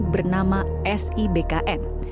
bernama si bkn